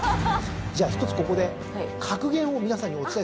じゃあ一つここで格言を皆さんにお伝えしましょう。